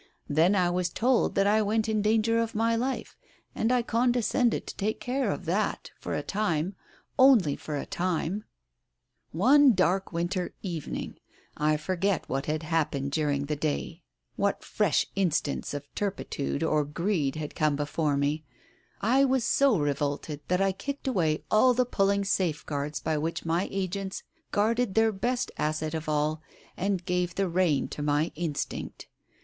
Then I was told that I went in danger of my life, and I condescended to take care of that — for a time — only for a time ! "One dark winter evening — I forget what had hap pened during the day, what fresh instance of turpitude or greed had come before me — I was so revolted that I kicked away all the puling safeguards by which my agents guarded their best asset of all, and gave the rein to my instinct.